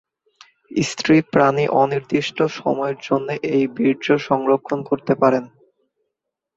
স্ত্রী প্রাণী অনির্দিষ্ট সময়ের জন্যে এই বীর্য সংরক্ষণ করতে পারে।